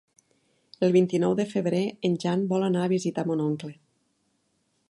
El vint-i-nou de febrer en Jan vol anar a visitar mon oncle.